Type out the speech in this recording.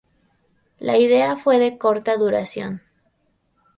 La idea fue de corta duración.